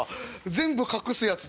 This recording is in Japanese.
全部隠すやつだ。